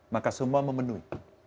maka semua memenuhi